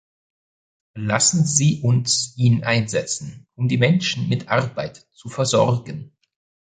Lassen Sie uns ihn einsetzen, um die Menschen mit Arbeit zu versorgen.